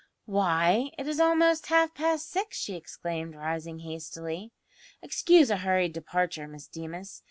"Why, it is almost half past six!" she exclaimed, rising hastily. "Excuse a hurried departure, Miss Deemas.